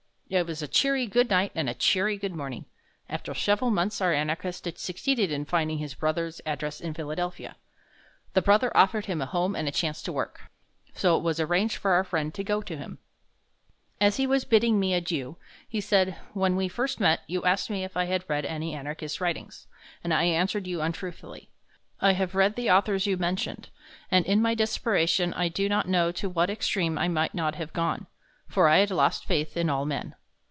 It was a cheery "good night" and a cheery "good morning." After several months our anarchist succeeded in finding his brother's address in Philadelphia. The brother offered him a home and a chance to work, so it was arranged for our friend to go to him. As he was bidding me "adieu" he said: "When we first met, you asked me if I had read any anarchistic writings, and I answered you untruthfully. I have read the authors you mentioned, and in my desperation I do not know to what extreme I might not have gone, for I had lost faith in all men.